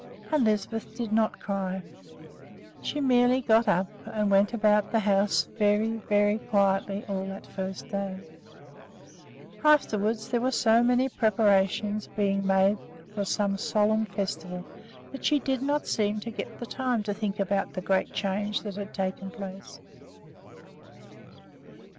And Lisbeth did not cry. She merely got up and went about the house very, very quietly all that first day. Afterwards there were so many preparations being made for some solemn festival that she did not seem to get time to think about the great change that had taken place.